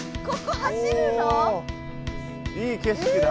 いい景色だ